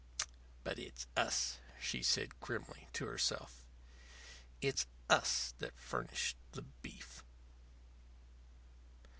"But it's us," she said, grimly, to herself, "it's us that furnished the beef."